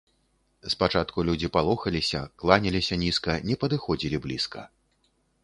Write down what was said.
Спачатку людзі палохаліся, кланяліся нізка, не падыходзілі блізка.